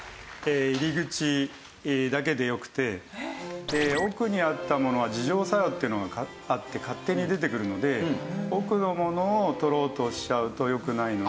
入り口だけでよくて奥にあったものは自浄作用っていうのがあって勝手に出てくるので奥のものを取ろうとしちゃうとよくないので。